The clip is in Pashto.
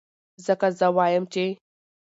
ځکه زۀ وائم چې